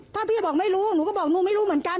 ถ้าพี่บอกไม่รู้หนูก็บอกหนูไม่รู้เหมือนกัน